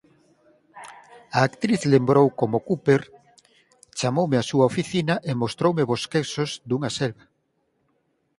A actriz lembrou como Cooper «chamoume á súa oficina e mostroume bosquexos dunha selva.